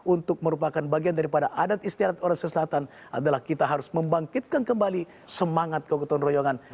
untuk merupakan bagian daripada adat istirahat orang selatan adalah kita harus membangkitkan kembali semangat kegotong royongan